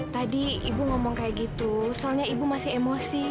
tadi ibu ngomong kayak gitu soalnya ibu masih emosi